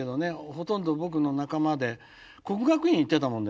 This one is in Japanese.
ほとんど僕の仲間で國學院行ってたもんでね